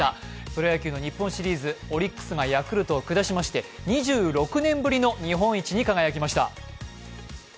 プロ野球の日本シリーズオリックスがヤクルトを下しまして２６年ぶりの日本一に輝きました。